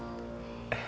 iya betul pak